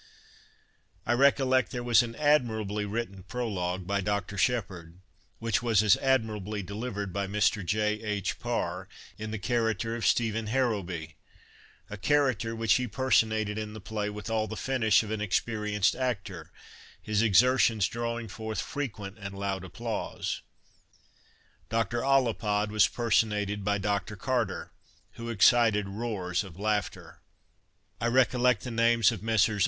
I recollect there was an admirably written prologue, by Dr. Shepherd, which was as admirably delivered by Mr. J. H. Parr, in the character of Stephen Harrowby, a character which he personated in the play with all the finish of an experienced actor, his exertions drawing forth frequent and loud applause. Dr. Ollapod was personated by Dr. Carter, who excited roars of laughter. I recollect the names of Messrs.